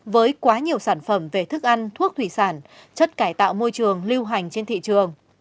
với quá nhiều sản phẩm về thức ăn thuốc thủy sản chất cải tạo môi trường lưu hành trên thị trường